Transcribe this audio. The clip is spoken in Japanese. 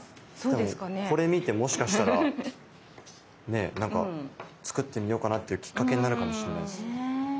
でもこれ見てもしかしたらね作ってみようかなっていうきっかけになるかもしんないです。